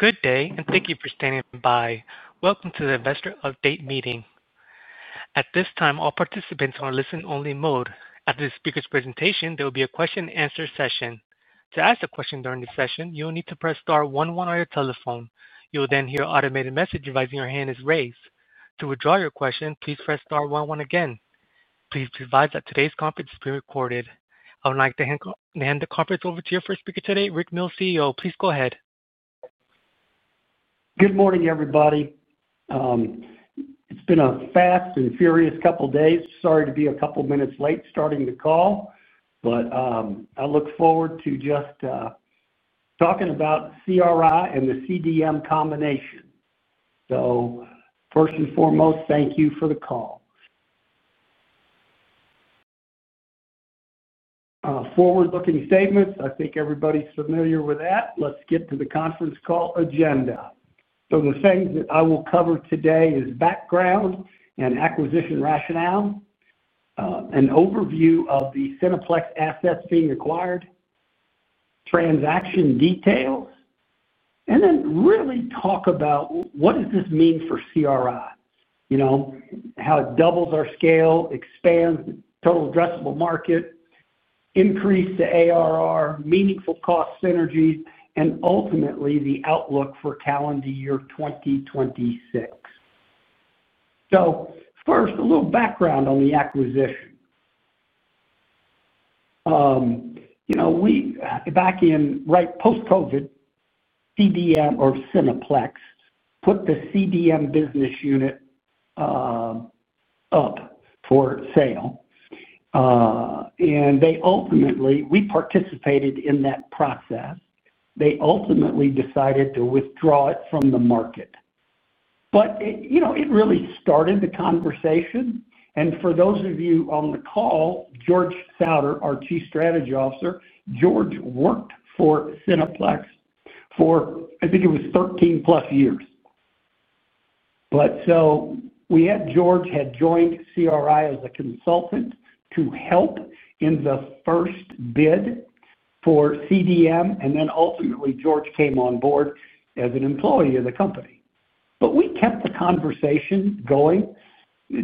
Good day, and thank you for standing by. Welcome to the investor update meeting. At this time, all participants are in a listen-only mode. After the speaker's presentation, there will be a question-and-answer session. To ask a question during the session, you will need to press star one-one on your telephone. You will then hear an automated message advising your hand is raised. To withdraw your question, please press star one-one again. Please be advised that today's conference is being recorded. I would like to hand the conference over to your first speaker today, Rick Mills, CEO. Please go ahead. Good morning, everybody. It's been a fast and furious couple of days. Sorry to be a couple of minutes late starting the call, but I look forward to just talking about CRI and the CDM combination. First and foremost, thank you for the call. Forward-looking statements, I think everybody's familiar with that. Let's get to the conference call agenda. The things that I will cover today are background and acquisition rationale, an overview of the Cineplex assets being acquired, transaction details, and then really talk about what does this mean for CRI. You know, how it doubles our scale, expands the total addressable market, increases the ARR, meaningful cost synergies, and ultimately the outlook for calendar year 2026. First, a little background on the acquisition. Back in right post-COVID, CDM or Cineplex put the CDM business unit up for sale. We participated in that process. They ultimately decided to withdraw it from the market. It really started the conversation. For those of you on the call, George Sautter, our Chief Strategy Officer, George worked for Cineplex for, I think it was 13-plus years. We had George join CRI as a consultant to help in the first bid for CDM, and then ultimately George came on board as an employee of the company. We kept the conversation going.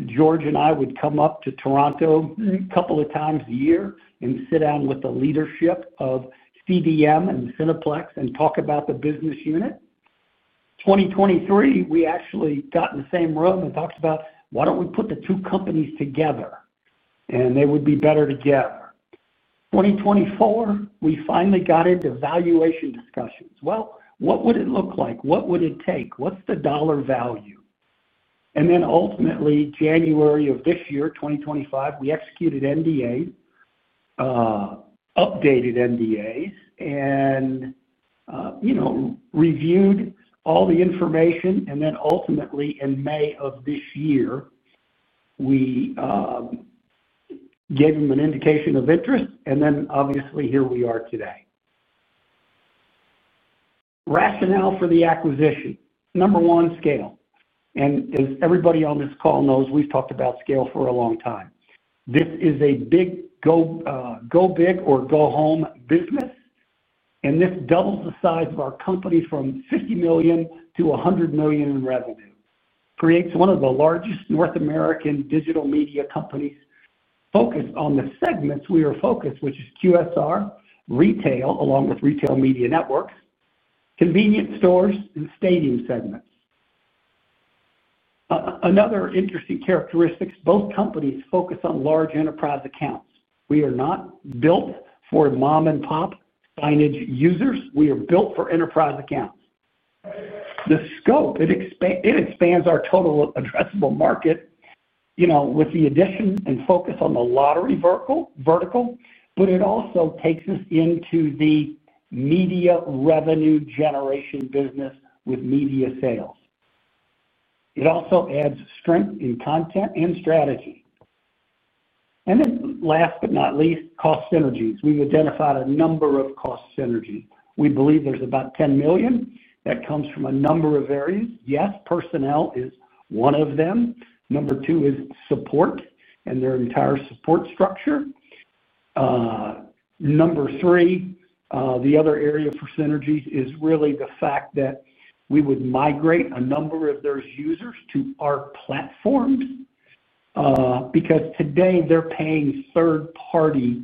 George and I would come up to Toronto a couple of times a year and sit down with the leadership of CDM and Cineplex and talk about the business unit. In 2023, we actually got in the same room and talked about, "Why don't we put the two companies together?" They would be better together. In 2024, we finally got into valuation discussions. What would it look like? What would it take? What's the dollar value? Ultimately, January of this year, 2025, we executed NDAs, updated NDAs, and reviewed all the information. Ultimately, in May of this year, we gave them an indication of interest. Obviously, here we are today. Rationale for the acquisition. Number one, scale. As everybody on this call knows, we've talked about scale for a long time. This is a go-big or go-home business. This doubles the size of our company from $50 million to $100 million in revenue. Creates one of the largest North American digital media companies focused on the segments we are focused, which is QSR, retail, along with retail media networks, convenience stores, and stadium segments. Another interesting characteristic, both companies focus on large enterprise accounts. We are not built for mom-and-pop signage users. We are built for enterprise accounts. The scope, it expands our total addressable market, you know, with the addition and focus on the lottery vertical, but it also takes us into the media revenue generation business with media sales. It also adds strength in content and strategy. Last but not least, cost synergies. We've identified a number of cost synergies. We believe there's about $10 million that comes from a number of areas. Yes, personnel is one of them. Number two is support and their entire support structure. Number three, the other area for synergies is really the fact that we would migrate a number of those users to our platforms because today they're paying third-party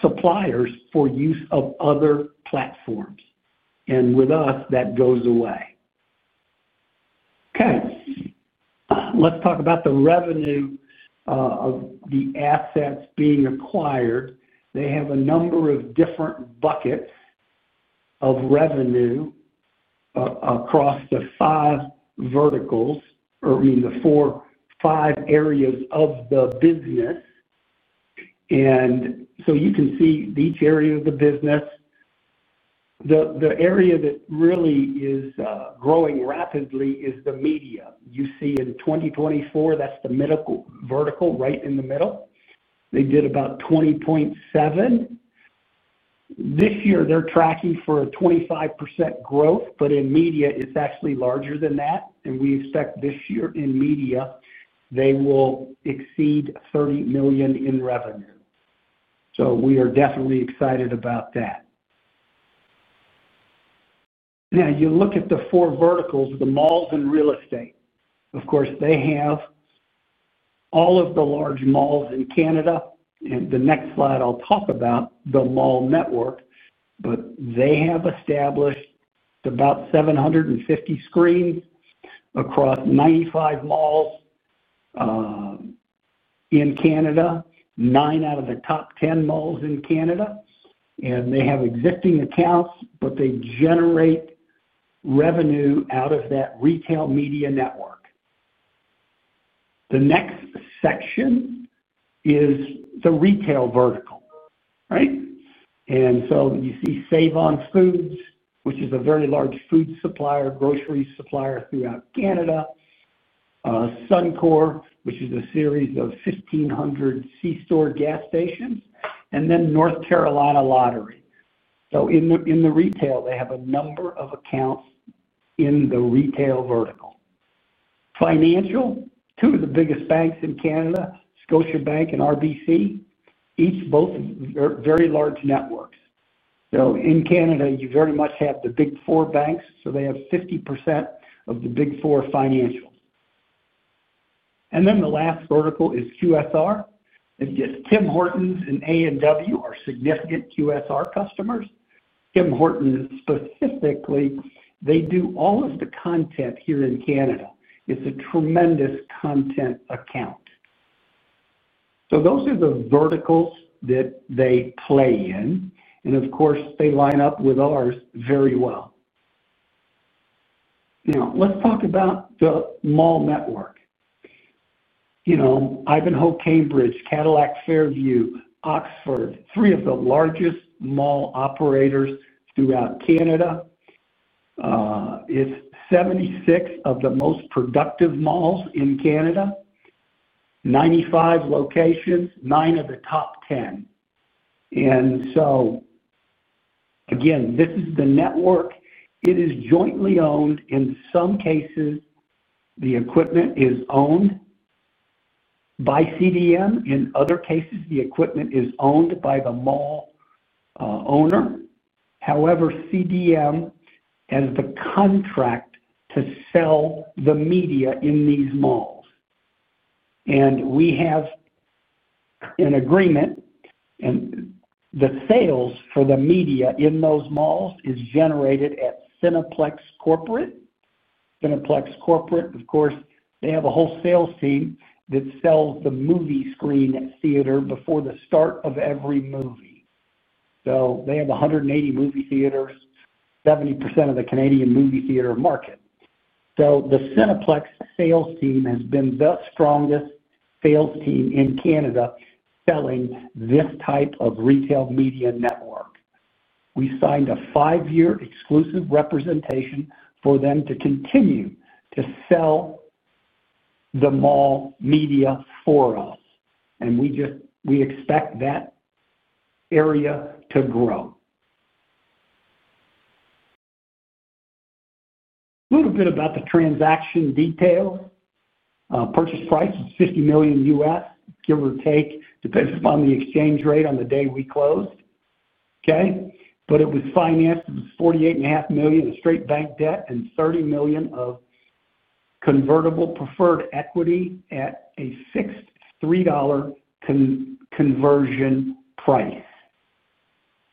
suppliers for use of other platforms. With us, that goes away. Let's talk about the revenue of the assets being acquired. They have a number of different buckets of revenue across the five verticals, or I mean the four, five areas of the business. You can see each area of the business. The area that really is growing rapidly is the media. You see in 2024, that's the medical vertical right in the middle. They did about $20.7 million. This year, they're tracking for a 25% growth, but in media, it's actually larger than that. We expect this year in media, they will exceed $30 million in revenue. We are definitely excited about that. Now, you look at the four verticals, the malls and real estate. Of course, they have all of the large malls in Canada. The next slide, I'll talk about the mall network. They have established about 750 screens across 95 malls in Canada, 9 out of the top 10 malls in Canada. They have existing accounts, but they generate revenue out of that retail media network. The next section is the retail vertical, right? You see Save-On-Foods, which is a very large food supplier, grocery supplier throughout Canada. Suncor, which is a series of 1,500 C-Store gas stations. North Carolina Lottery. In the retail, they have a number of accounts in the retail vertical. Financial, two of the biggest banks in Canada, Scotiabank and RBC, each both very large networks. In Canada, you very much have the Big Four banks. They have 50% of the Big Four financials. The last vertical is QSR. Tim Hortons and A&W are significant QSR customers. Tim Hortons specifically, they do all of the content here in Canada. It's a tremendous content account. Those are the verticals that they play in. Of course, they line up with ours very well. Let's talk about the mall network. Ivanhoe Cambridge, Cadillac Fairview, Oxford, three of the largest mall operators throughout Canada. It's 76 of the most productive malls in Canada, 95 locations, 9 of the top 10. This is the network. It is jointly owned. In some cases, the equipment is owned by CDM. In other cases, the equipment is owned by the mall owner. However, CDM has the contract to sell the media in these malls. We have an agreement, and the sales for the media in those malls are generated at Cineplex Corporate. Cineplex Corporate, of course, has a whole sales team that sells the movie screen at theater before the start of every movie. They have 180 movie theaters, 70% of the Canadian movie theater market. The Cineplex sales team has been the strongest sales team in Canada selling this type of retail media network. We signed a five-year exclusive representation for them to continue to sell the mall media for us. We expect that area to grow. A little bit about the transaction details. Purchase price is $50 million US, give or take, depending upon the exchange rate on the day we closed. It was financed with $48.5 million in straight bank debt and $30 million of convertible preferred equity at a fixed $3 conversion price.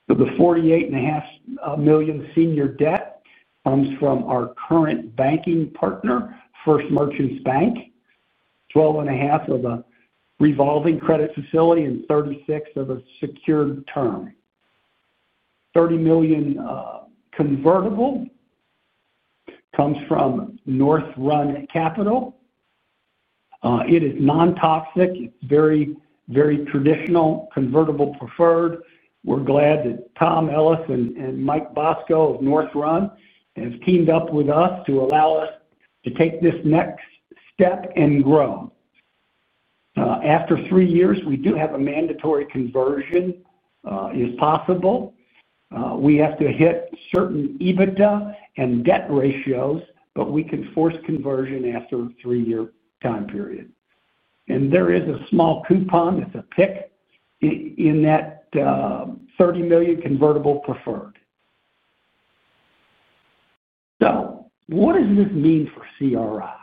The $48.5 million senior debt comes from our current banking partner, First Merchants Bank, $12.5 million of a revolving credit facility and $36 million of a secured term. $30 million convertible comes from North Run Capital. It is non-toxic. It's very, very traditional convertible preferred. We're glad that Tom Ellis and Mike Bosco of North Run have teamed up with us to allow us to take this next step and grow. After three years, we do have a mandatory conversion, if possible. We have to hit certain EBITDA and debt ratios, but we can force conversion after a three-year time period. There is a small coupon that's a PIK in that $30 million convertible preferred. What does this mean for CRI?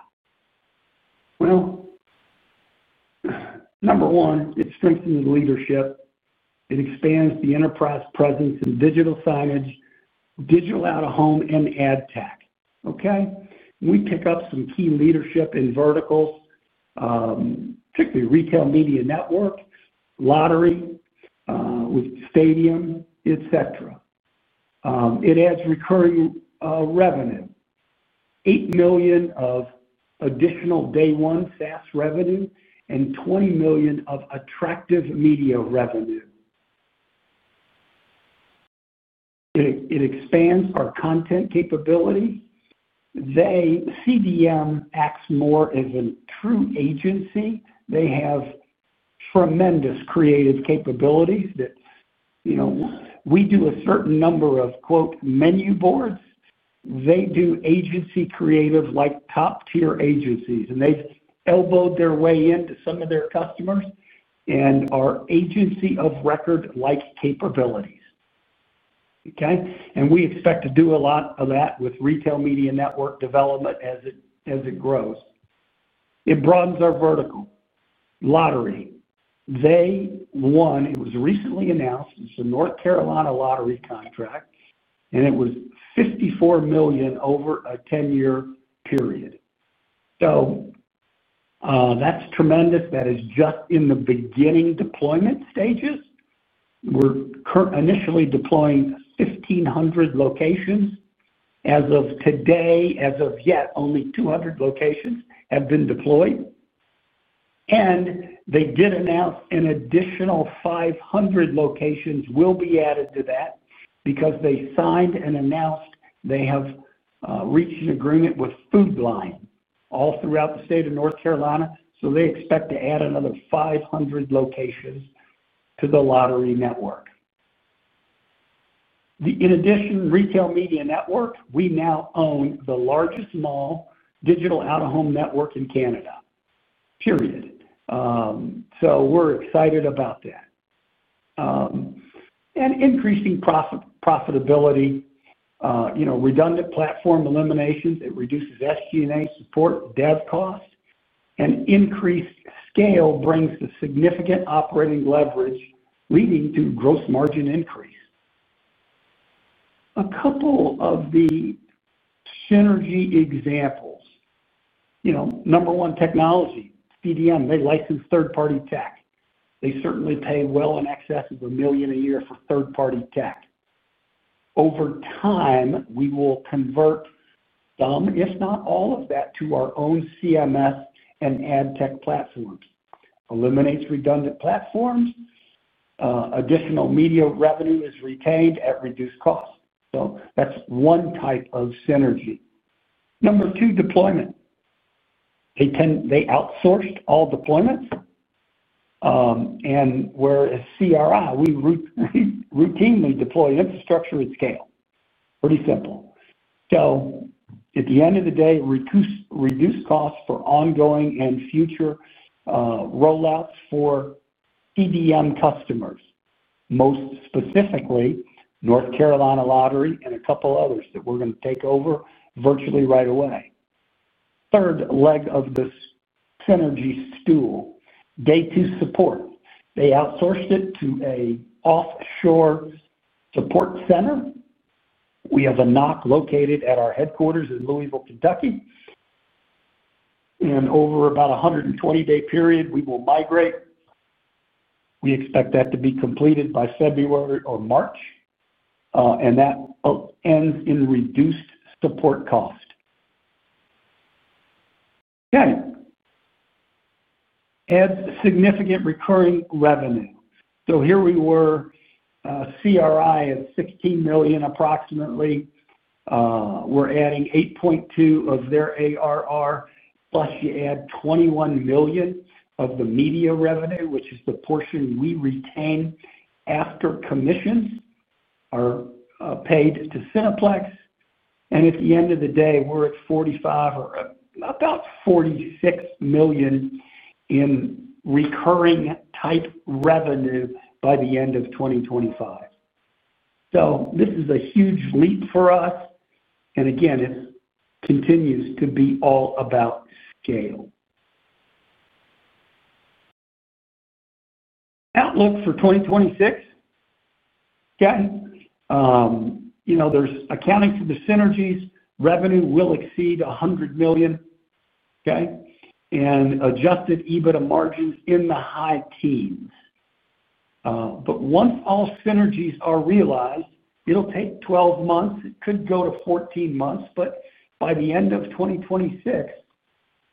Number one, it strengthens the leadership. It expands the enterprise presence in digital signage, digital out-of-home, and ad tech. We pick up some key leadership in verticals, particularly retail media networks, lottery, with stadium, etc. It adds recurring revenue. $18 million of additional day-one SaaS revenue and $20 million of attractive media revenue. It expands our content capability. CDM acts more as a true agency. They have tremendous creative capabilities that, you know, we do a certain number of quote menu boards. They do agency creative like top-tier agencies. They've elbowed their way into some of their customers and are agency of record-like capabilities. We expect to do a lot of that with retail media network development as it grows. It broadens our vertical. Lottery. They won, it was recently announced, it's a North Carolina Lottery contract, and it was $54 million over a 10-year period. That's tremendous. That is just in the beginning deployment stages. We're currently initially deploying 1,500 locations. As of today, as of yet, only 200 locations have been deployed. They did announce an additional 500 locations will be added to that because they signed and announced they have reached an agreement with Food Lion all throughout the state of North Carolina. They expect to add another 500 locations to the lottery network. In addition, retail media network, we now own the largest mall digital out-of-home network in Canada. Period. We're excited about that. Increasing profitability, redundant platform eliminations, it reduces SG&A support, dev cost, and increased scale brings a significant operating leverage leading to gross margin increase. A couple of the synergy examples. Number one, technology, CDM, they license third-party tech. They certainly pay well in excess of $1 million a year for third-party tech. Over time, we will convert some, if not all of that, to our own CMS and ad tech platforms. Eliminates redundant platforms. Additional media revenue is retained at reduced cost. That's one type of synergy. Number two, deployment. They outsourced all deployments, whereas CRI, we routinely deploy infrastructure at scale. Pretty simple. At the end of the day, reduced costs for ongoing and future rollouts for CDM customers, most specifically North Carolina Lottery and a couple of others that we're going to take over virtually right away. Third leg of this synergy stool, day two support. They outsourced it to an offshore support center. We have a NOC located at our headquarters in Louisville, Kentucky. Over about a 120-day period, we will migrate. We expect that to be completed by February or March. That ends in reduced support cost. Okay. Adds significant recurring revenue. Here we were, CRI is $16 million approximately. We're adding $8.2 million of their ARR, plus you add $21 million of the media revenue, which is the portion we retain after commissions are paid to Cineplex. At the end of the day, we're at $45 million or about $46 million in recurring type revenue by the end of 2025. This is a huge leap for us. It continues to be all about scale. Outlook for 2026. There's accounting for the synergies. Revenue will exceed $100 million. Okay? Adjusted EBITDA margins in the high teens. Once all synergies are realized, it'll take 12 months. It could go to 14 months. By the end of 2026,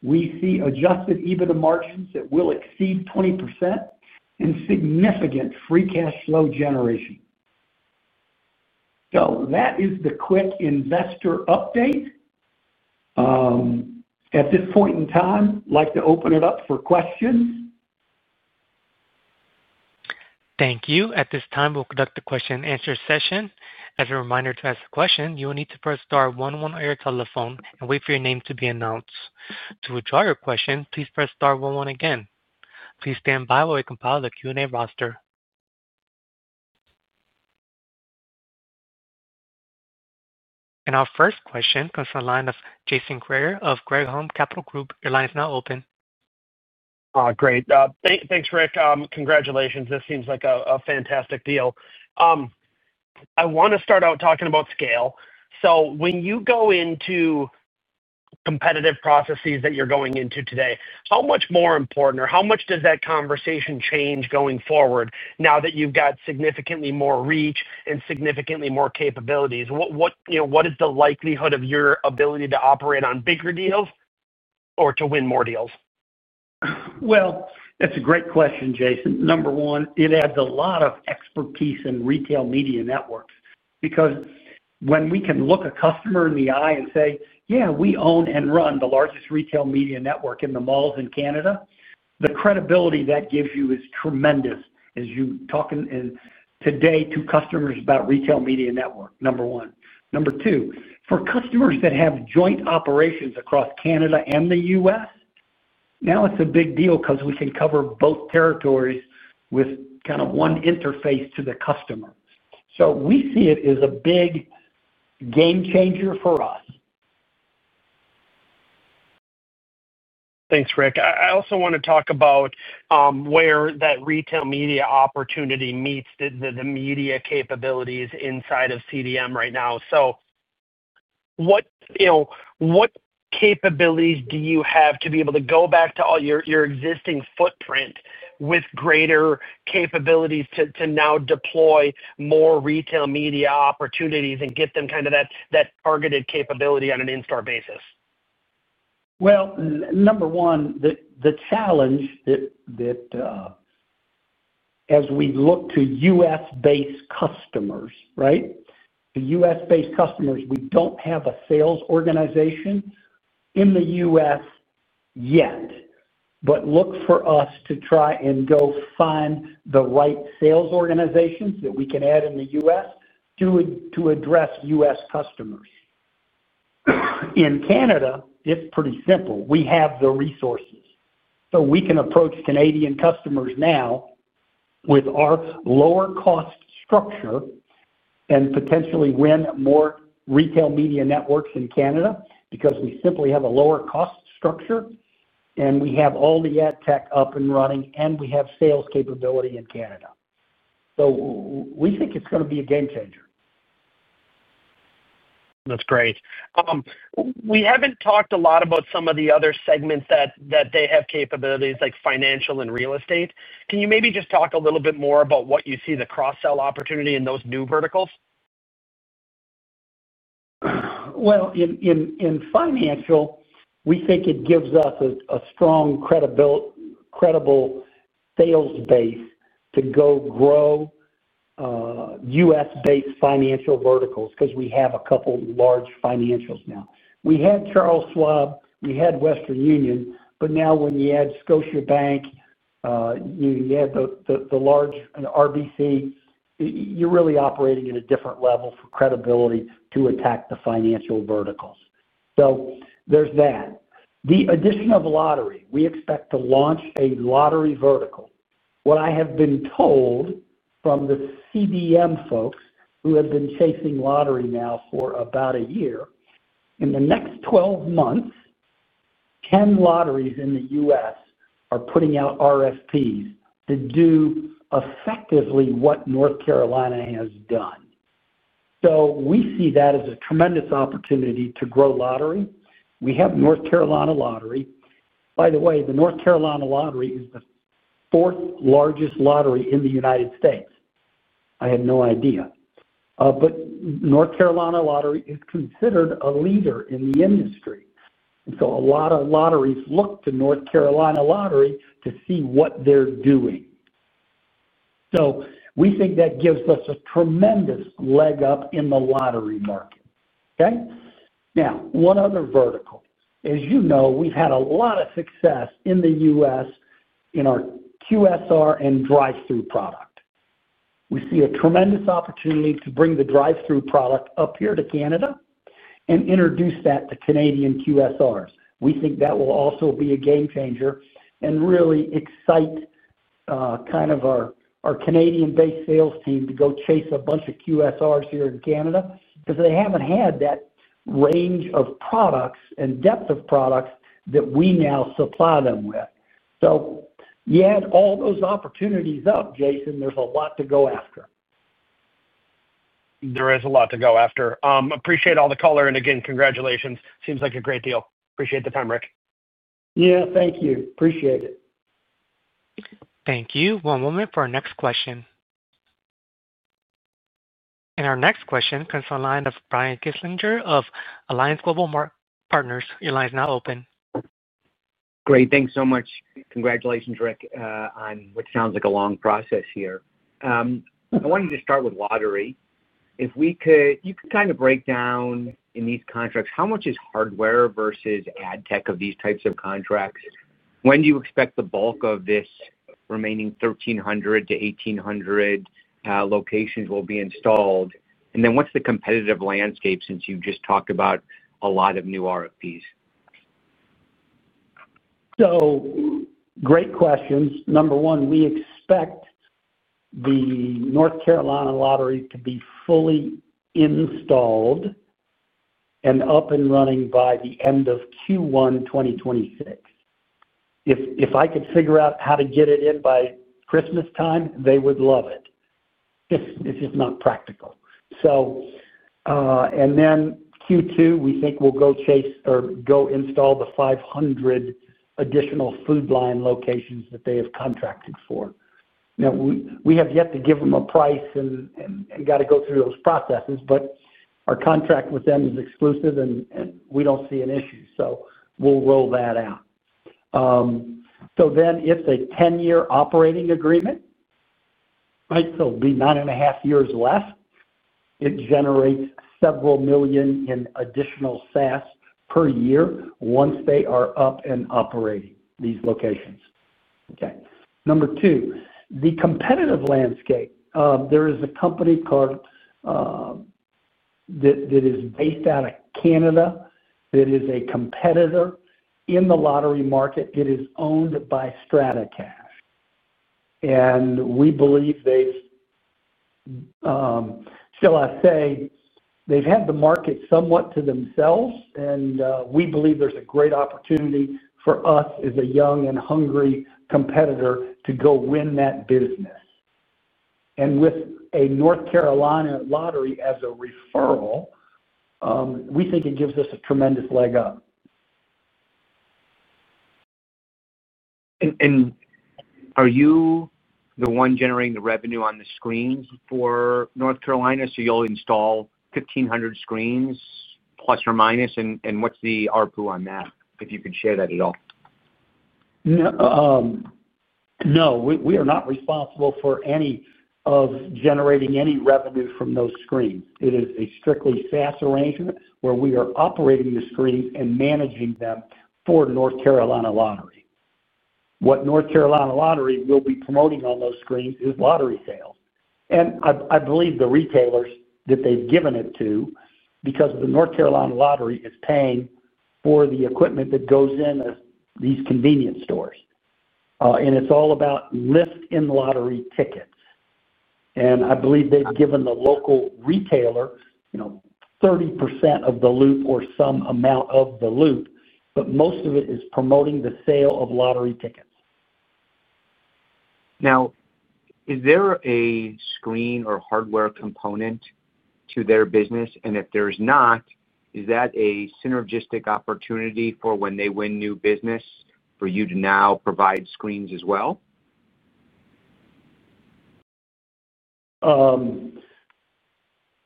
we see adjusted EBITDA margins that will exceed 20% and significant free cash flow generation. That is the quick investor update. At this point in time, I'd like to open it up for questions. Thank you. At this time, we'll conduct the question-and-answer session. As a reminder, to ask a question, you will need to press star one-one on your telephone and wait for your name to be announced. To withdraw your question, please press star one-one again. Please stand by while we compile the Q&A roster. Our first question comes from the line of Jason Greer of Greer Home Capital Group. Your line is now open. Great. Thanks, Rick. Congratulations. This seems like a fantastic deal. I want to start out talking about scale. When you go into competitive processes that you're going into today, how much more important or how much does that conversation change going forward now that you've got significantly more reach and significantly more capabilities? What is the likelihood of your ability to operate on bigger deals or to win more deals? That's a great question, Jason. Number one, it adds a lot of expertise in retail media networks because when we can look a customer in the eye and say, "Yeah, we own and run the largest retail media network in the malls in Canada," the credibility that gives you is tremendous as you're talking today to customers about retail media network, number one. Number two, for customers that have joint operations across Canada and the U.S., now it's a big deal because we can cover both territories with kind of one interface to the customer. We see it as a big game changer for us. Thanks, Rick. I also want to talk about where that retail media opportunity meets the media capabilities inside of CDM right now. What capabilities do you have to be able to go back to all your existing footprint with greater capabilities to now deploy more retail media opportunities and get them that targeted capability on an in-store basis? The challenge that as we look to U.S.-based customers, right? The U.S.-based customers, we don't have a sales organization in the U.S. yet, but look for us to try and go find the right sales organizations that we can add in the U.S. to address U.S. customers. In Canada, it's pretty simple. We have the resources. We can approach Canadian customers now with our lower-cost structure and potentially win more retail media networks in Canada because we simply have a lower-cost structure and we have all the ad tech up and running and we have sales capability in Canada. We think it's going to be a game changer. That's great. We haven't talked a lot about some of the other segments that they have capabilities like financial and real estate. Can you maybe just talk a little bit more about what you see the cross-sell opportunity in those new verticals? In financial, we think it gives us a strong, credible sales base to go grow U.S.-based financial verticals because we have a couple of large financials now. We had Charles Schwab. We had Western Union. Now when you add Scotiabank, you add the large RBC, you're really operating at a different level for credibility to attack the financial verticals. There's that. The addition of a lottery, we expect to launch a lottery vertical. What I have been told from the CDM folks who have been chasing lottery now for about a year, in the next 12 months, 10 lotteries in the U.S. are putting out RFPs to do effectively what North Carolina has done. We see that as a tremendous opportunity to grow lottery. We have North Carolina Lottery. By the way, the North Carolina Lottery is the fourth largest lottery in the United States. I had no idea, but North Carolina Lottery is considered a leader in the industry. A lot of lotteries look to North Carolina Lottery to see what they're doing. We think that gives us a tremendous leg up in the lottery market. One other vertical. As you know, we've had a lot of success in the U.S. in our QSR and drive-thru product. We see a tremendous opportunity to bring the drive-thru product up here to Canada and introduce that to Canadian QSRs. We think that will also be a game changer and really excite our Canadian-based sales team to go chase a bunch of QSRs here in Canada because they haven't had that range of products and depth of products that we now supply them with. You add all those opportunities up, Jason, there's a lot to go after. There is a lot to go after. Appreciate all the color. Again, congratulations. Seems like a great deal. Appreciate the time, Rick. Yeah, thank you. Appreciate it. Thank you. One moment for our next question. Our next question comes from the line of Brian Kinstlinger of Alliance Global Partners. Your line is now open. Great. Thanks so much. Congratulations, Rick, on what sounds like a long process here. I wanted to just start with lottery. If we could, you could kind of break down in these contracts, how much is hardware versus ad tech of these types of contracts? When do you expect the bulk of this remaining 1,300 to 1,800 locations will be installed? What's the competitive landscape since you just talked about a lot of new RFPs? Great questions. Number one, we expect the North Carolina Lottery to be fully installed and up and running by the end of Q1 2026. If I could figure out how to get it in by Christmas time, they would love it. It's just not practical. In Q2, we think we'll go chase or go install the 500 additional Food Lion locations that they have contracted for. We have yet to give them a price and got to go through those processes, but our contract with them is exclusive and we don't see an issue. We'll roll that out. It's a 10-year operating agreement, right? It'll be nine and a half years left. It generates several million in additional SaaS per year once they are up and operating these locations. Number two, the competitive landscape. There is a company that is based out of Canada that is a competitor in the lottery market. It is owned by StrataCash. We believe they've, shall I say, had the market somewhat to themselves, and we believe there's a great opportunity for us as a young and hungry competitor to go win that business. With a North Carolina Lottery as a referral, we think it gives us a tremendous leg up. Are you the one generating the revenue on the screens for North Carolina? You'll install 1,500 screens, plus or minus. What's the RPU on that if you could share that at all? No. We are not responsible for any of generating any revenue from those screens. It is a strictly SaaS arrangement where we are operating the screens and managing them for North Carolina Lottery. What North Carolina Lottery will be promoting on those screens is lottery sales. I believe the retailers that they've given it to, because the North Carolina Lottery is paying for the equipment that goes in as these convenience stores, and it's all about lift-in lottery tickets. I believe they've given the local retailer, you know, 30% of the loop or some amount of the loop, but most of it is promoting the sale of lottery tickets. Now, is there a screen or hardware component to their business? If there's not, is that a synergistic opportunity for when they win new business for you to now provide screens as well?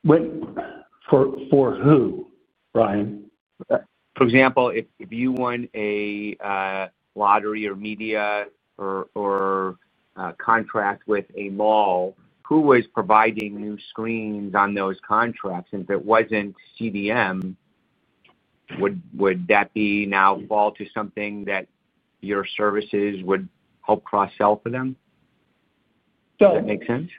For who? Ryan? For example, if you won a lottery or media or contract with a mall, who was providing new screens on those contracts? If it wasn't Cineplex Digital Media, would that now fall to something that your services would help cross-sell for them? Does that make sense?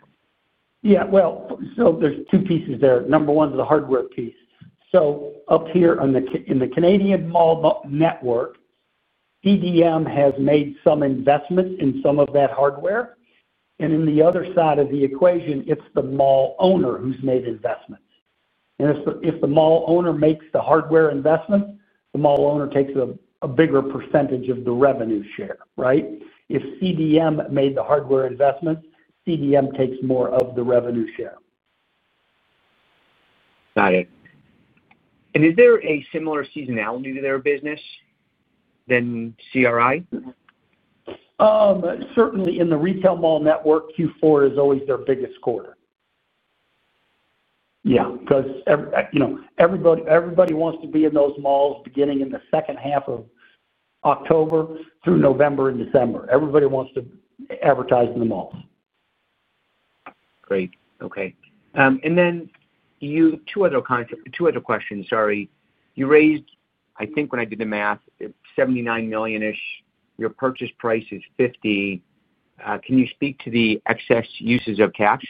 Yeah. There's two pieces there. Number one, the hardware piece. Up here in the Canadian mall network, Cineplex Digital Media has made some investments in some of that hardware. In the other side of the equation, it's the mall owner who's made investments. If the mall owner makes the hardware investments, the mall owner takes a bigger percentage of the revenue share, right? If Cineplex Digital Media made the hardware investments, Cineplex Digital Media takes more of the revenue share. Is there a similar seasonality to their business as CRI? Certainly. In the retail mall network, Q4 is always their biggest quarter. Yeah, because everybody wants to be in those malls beginning in the second half of October through November and December. Everybody wants to advertise in the malls. Great. Okay. You have two other questions, sorry. You raised, I think when I did the math, $79 million-ish. Your purchase price is $50 million. Can you speak to the excess uses of cash?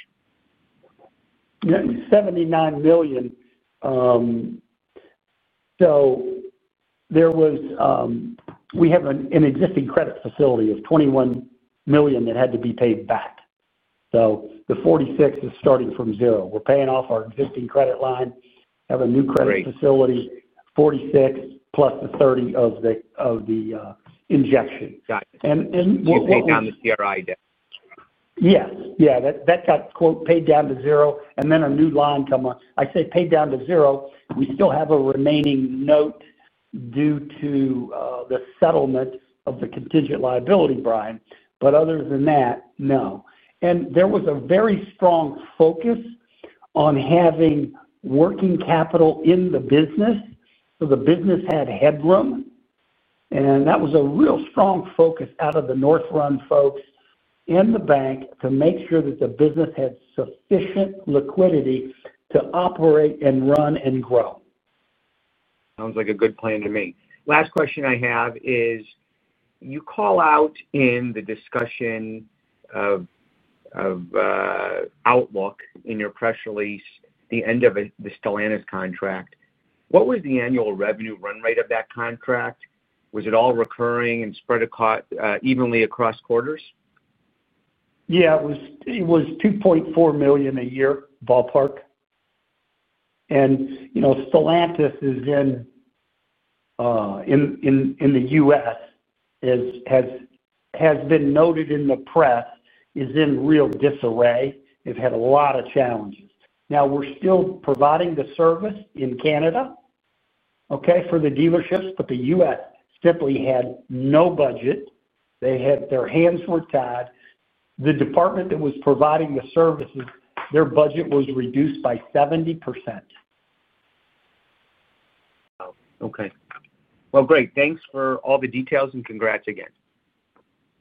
Yeah, $79 million. There was, we have an existing credit facility of $21 million that had to be paid back. The $46 million is starting from zero. We're paying off our existing credit line, have a new credit facility, $46 million plus the $30 million of the injection. Got it. What was paid down to CRI debt? Yes. Yeah. That got, quote, paid down to zero, and then a new line come up. I say paid down to zero. We still have a remaining note due to the settlement of the contingent liability, Brian. Other than that, no. There was a very strong focus on having working capital in the business so the business had headroom. That was a real strong focus out of the North Run folks and the bank to make sure that the business had sufficient liquidity to operate, run, and grow. Sounds like a good plan to me. Last question I have is you call out in the discussion of Outlook in your press release at the end of the Stellantis contract. What was the annual revenue run rate of that contract? Was it all recurring and spread evenly across quarters? Yeah, it was $2.4 million a year, ballpark. Stellantis is in the U.S., as has been noted in the press, and is in real disarray. They've had a lot of challenges. We're still providing the service in Canada for the dealerships, but the U.S. simply had no budget. Their hands were tied. The department that was providing the services, their budget was reduced by 70%. Oh, okay. Great. Thanks for all the details and congrats again.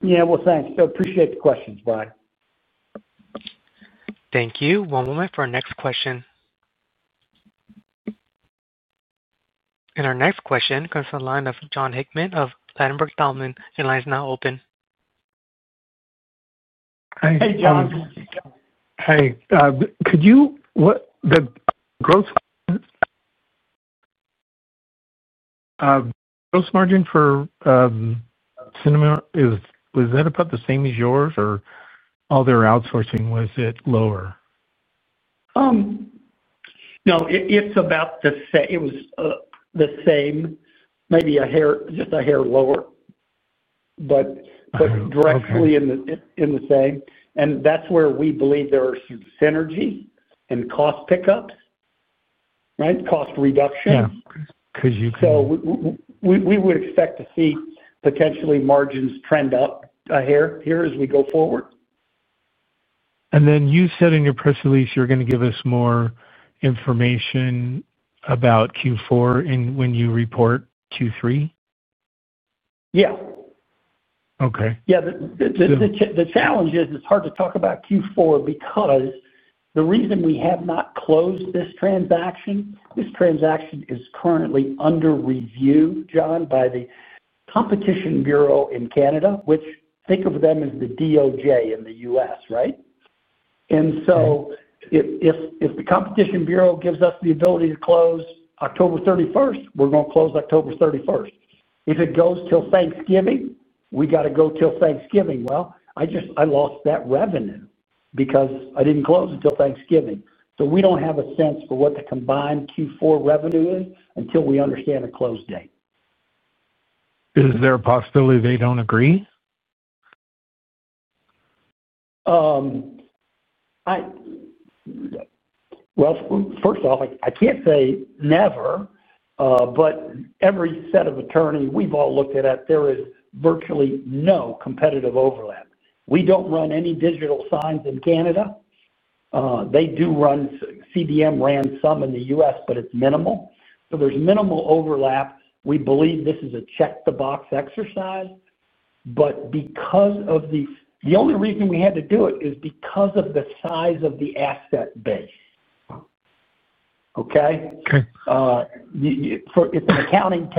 Thank you. I appreciate the questions, Brian. Thank you. One moment for our next question. Our next question comes from the line of John Hickman of Vandenberg Thomann. Your line is now open. Hey, John. Hey, John. Hey, could you, what the gross margin for Cineplex Digital Media was, was that about the same as yours or all their outsourcing, was it lower? No, it's about the same. It was the same, maybe just a hair lower, but directly in the same. That's where we believe there are synergies and cost pickups, right? Cost reduction. Yeah, because you can. We would expect to see potentially margins trend up a hair here as we go forward. You said in your press release you were going to give us more information about Q4 when you report Q3? Yeah. Okay. Yeah. The challenge is it's hard to talk about Q4 because the reason we have not closed this transaction, this transaction is currently under review, John, by the Competition Bureau in Canada, which, think of them as the DOJ in the U.S., right? If the Competition Bureau gives us the ability to close October 31, we're going to close October 31. If it goes till Thanksgiving, we got to go till Thanksgiving. I just lost that revenue because I didn't close until Thanksgiving. We don't have a sense for what the combined Q4 revenue is until we understand a close date. Is there a possibility they don't agree? First off, I can't say never, but every set of attorneys we've all looked at, there is virtually no competitive overlap. We don't run any digital signs in Canada. They do run CDM ran some in the U.S., but it's minimal. There's minimal overlap. We believe this is a check-the-box exercise. The only reason we had to do it is because of the size of the asset base. Okay? Okay. It's an accounting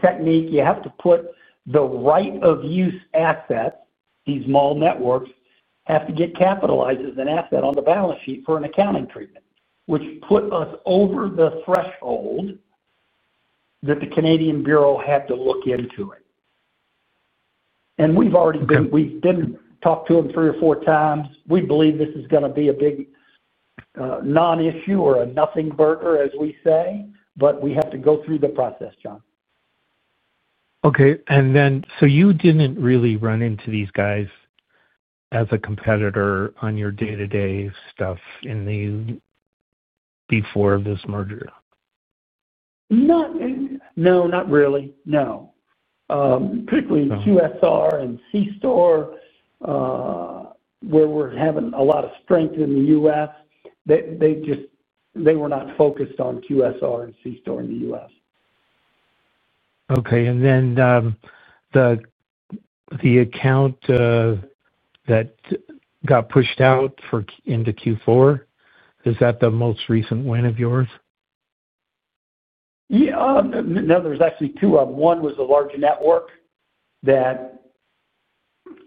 technique. You have to put the right-of-use assets. These mall networks have to get capitalized as an asset on the balance sheet for an accounting treatment, which put us over the threshold that the Canadian Bureau had to look into it. We have already been, we have talked to them three or four times. We believe this is going to be a big non-issue or a nothing burger, as we say, but we have to go through the process, John. Okay. You didn't really run into these guys as a competitor on your day-to-day stuff before this merger? No, not really. No. Particularly QSR and C-Store where we're having a lot of strength in the U.S. They just, they were not focused on QSR and C-Store in the U.S. Okay. The account that got pushed out into Q4, is that the most recent win of yours? Yeah. No, there's actually two of them. One was a large network that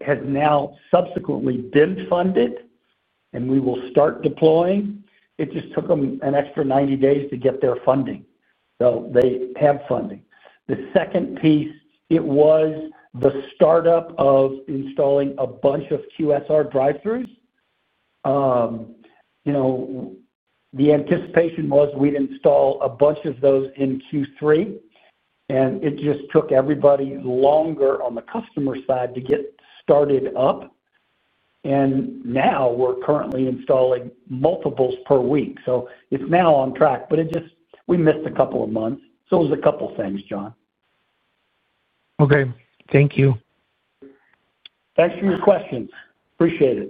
has now subsequently been funded, and we will start deploying. It just took them an extra 90 days to get their funding, so they have funding. The second piece was the startup of installing a bunch of QSR drive-thrus. The anticipation was we'd install a bunch of those in Q3, and it just took everybody longer on the customer side to get started up. We are currently installing multiples per week. It's now on track, but we missed a couple of months. It was a couple of things, John. Okay, thank you. Thanks for your questions. Appreciate it.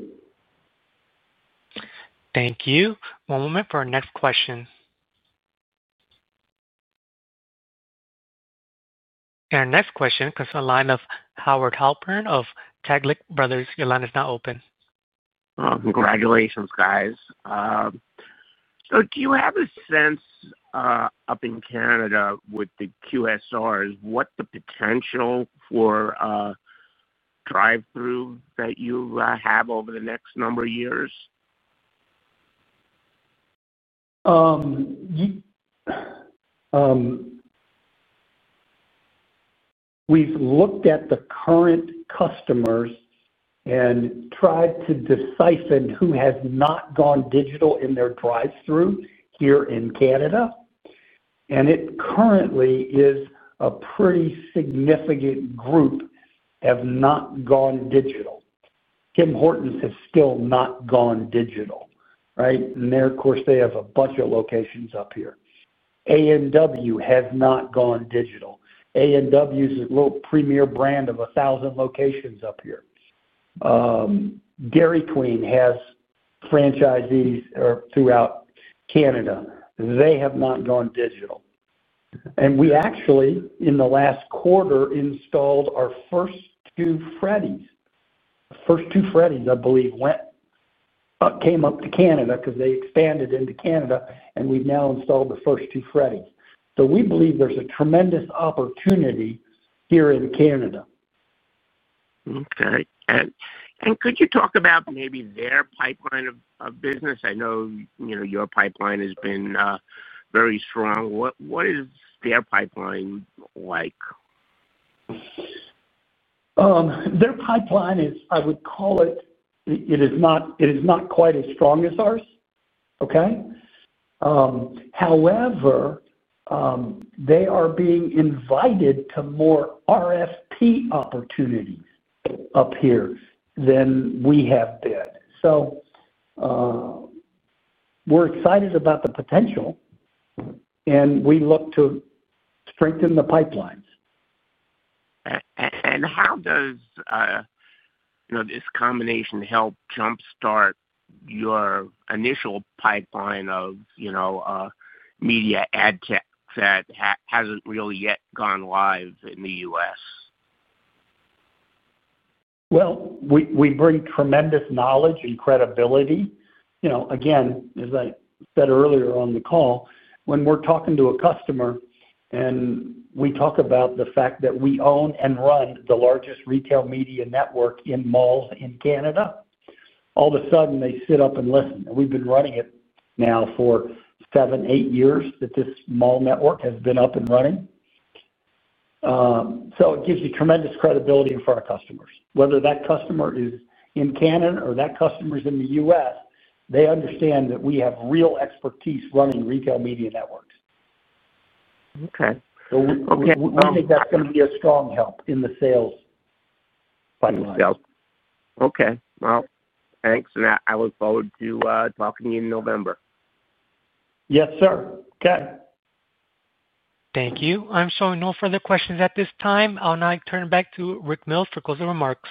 Thank you. One moment for our next question. Our next question comes from the line of Howard Halpern of Taglich Brothers. Your line is now open. Congratulations, guys. Do you have a sense, up in Canada with the QSRs, what the potential for drive-thru that you have over the next number of years? We've looked at the current customers and tried to decipher who has not gone digital in their drive-thru here in Canada. It currently is a pretty significant group that have not gone digital. Tim Hortons has still not gone digital, right? They have a bunch of locations up here. A&W has not gone digital. A&W is a little premier brand of 1,000 locations up here. Dairy Queen has franchisees throughout Canada. They have not gone digital. We actually, in the last quarter, installed our first two Freddys. The first two Freddys, I believe, came up to Canada because they expanded into Canada, and we've now installed the first two Freddys. We believe there's a tremendous opportunity here in Canada. Okay. Could you talk about maybe their pipeline of business? I know your pipeline has been very strong. What is their pipeline like? Their pipeline is, I would call it, it is not quite as strong as ours, okay? However, they are being invited to more RFP opportunities up here than we have been. We are excited about the potential, and we look to strengthen the pipelines. How does this combination help jumpstart your initial pipeline of media ad tech that hasn't really yet gone live in the U.S.? We bring tremendous knowledge and credibility. As I said earlier on the call, when we're talking to a customer and we talk about the fact that we own and run the largest retail media network in malls in Canada, all of a sudden they sit up and listen. We've been running it now for seven, eight years that this mall network has been up and running. It gives you tremendous credibility for our customers. Whether that customer is in Canada or that customer is in the U.S., they understand that we have real expertise running retail media networks. Okay. We think that's going to be a strong help in the sales pipeline. Thank you. I look forward to talking to you in November. Yes, sir. Okay. Thank you. I'm showing no further questions at this time. I'll now turn it back to Rick Mills for closing remarks.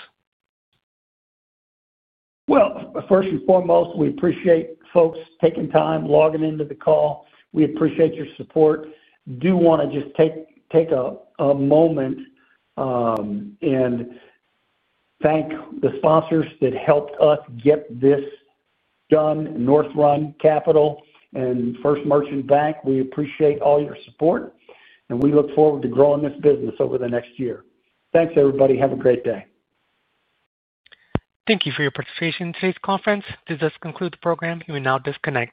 First and foremost, we appreciate folks taking time, logging into the call. We appreciate your support. Do want to just take a moment and thank the sponsors that helped us get this done, North Run Capital and First Merchants Bank. We appreciate all your support, and we look forward to growing this business over the next year. Thanks, everybody. Have a great day. Thank you for your participation in today's conference. This does conclude the program. You may now disconnect.